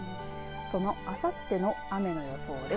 そのあさっての雨の予想です。